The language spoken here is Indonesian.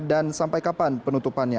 dan sampai kapan penutupannya